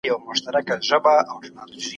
څانګې یې څوکۍ او رسۍ جوړوي.